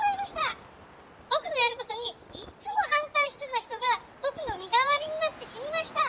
『僕のやることにいっつも反対してた人が僕の身代わりになって死にました。